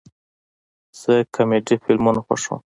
زه کامیډي فلمونه خوښوم